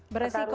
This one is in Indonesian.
bersih kok ya